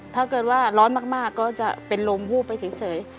ถ้าเกิดว่าร้อนมากก็จะเป็นลมวูบไปเฉย